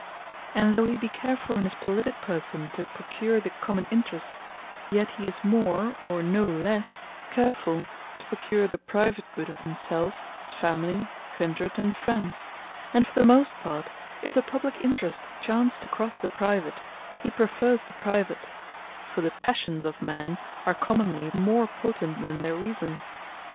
And though he be carefull in his politique Person to procure the common interest; yet he is more, or no lesse carefull to procure the private good of himselfe, his family, kindred and friends; and for the most part, if the publique interest chance to crosse the private, he preferrs the private: for the Passions of men, are commonly more potent than their Reason.